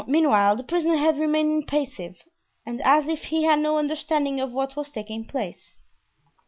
Meanwhile the prisoner had remained impassive and as if he had no understanding of what was taking place.